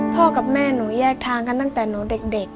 กับแม่หนูแยกทางกันตั้งแต่หนูเด็ก